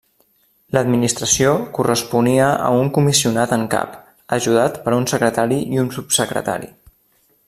L'administració corresponia a un Comissionat en cap, ajudat per un secretari i un subsecretari.